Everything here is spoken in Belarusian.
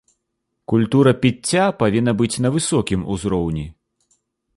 Культура піцця павінна быць на высокім узроўні.